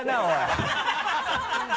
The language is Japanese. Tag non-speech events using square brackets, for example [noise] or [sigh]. ハハハ [laughs]